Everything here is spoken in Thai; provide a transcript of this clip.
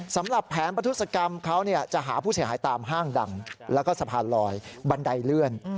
สำหรับแผนประทุศกรรมเขาจะหาผู้เสียหายตามห้างดังแล้วก็สะพานลอยบันไดเลื่อน